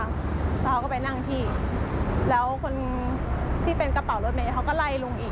แล้วเขาก็ไปนั่งพี่แล้วคนที่เป็นกระเป๋ารถเมย์เขาก็ไล่ลุงอีก